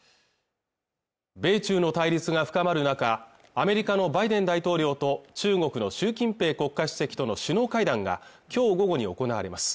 米中の対立が深まる中アメリカのバイデン大統領と中国の習近平国家主席との首脳会談が今日午後に行われます